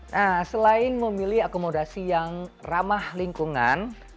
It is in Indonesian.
nah selain memilih akomodasi yang ramah lingkungan